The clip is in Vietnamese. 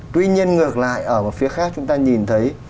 tuy nhiên ngược lại ở một phía khác chúng ta nhìn thấy